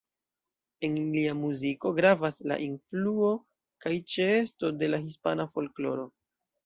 En lia muziko gravas la influo kaj ĉeesto de la hispana folkloro.